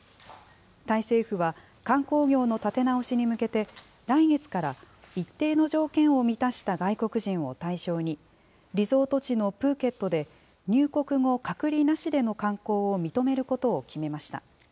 タイ政府は、観光業の立て直しに向けて、来月から一定の条件を満たした外国人を対象に、リゾート地のプーケットで、入国後、隔離なしでの観光を認めることを決めました。